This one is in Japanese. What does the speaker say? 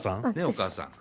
お母さん。